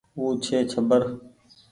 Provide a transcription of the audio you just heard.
او ڇي ڇٻر ۔